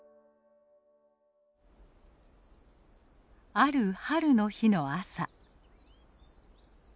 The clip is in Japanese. ある春の日の朝。